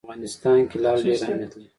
په افغانستان کې لعل ډېر اهمیت لري.